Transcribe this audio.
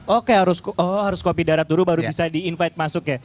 oke harus oh harus kopi darat dulu baru bisa di invite masuk ya